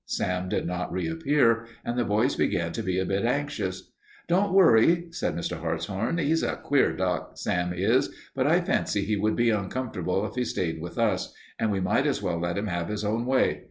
Sam did not reappear, and the boys began to be a bit anxious. "Don't worry," said Mr. Hartshorn. "He's a queer duck, Sam is. But I fancy he would be uncomfortable if he stayed with us, and we might as well let him have his own way.